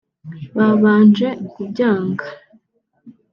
babanje kubyanga